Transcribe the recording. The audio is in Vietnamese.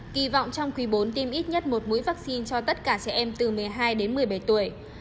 kỳ vọng trong quý bốn tiêm ít nhất một mũi vaccine cho tất cả trẻ em từ một mươi hai đến một mươi bảy tuổi